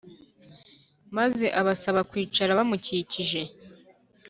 maze abasaba kwicara bamukikije.